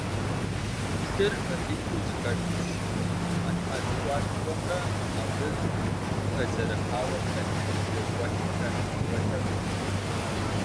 Лъыр ӏыхьитӏу зэхэтщ: ӏыхьэ ткӏуаткӏуэмрэ абы хэзэрыхьауэ хэлъ лъы уэтэхэмрэ.